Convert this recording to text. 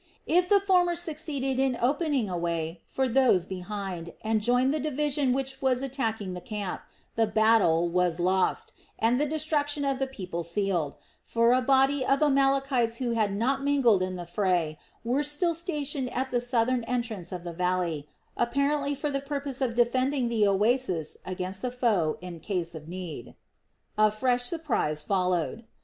If the former succeeded in opening a way for those behind and joined the division which was attacking the camp, the battle was lost, and the destruction of the people sealed; for a body of Amalekites who had not mingled in the fray were still stationed at the southern entrance of the valley, apparently for the purpose of defending the oasis against the foe in case of need. A fresh surprise followed.